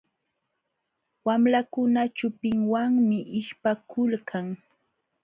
Wamlakuna chupinwanmi ishpakulkan.